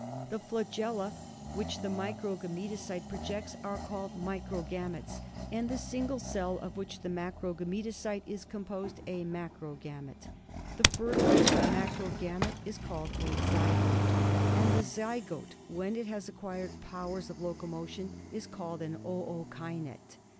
The flagella which the microgameto cyte projects are called Micro gametes, and the single cell of i!ut,E.l,'j^ which the macrogametocyte is 'i^^.r. composed a Macrogamete. The fertilised macrogamete is called a Zygote, and the zygote when it has acquired powers of locomo tion is called an Ookinet.